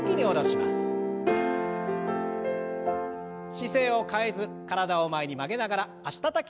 姿勢を変えず体を前に曲げながら脚たたきの運動を。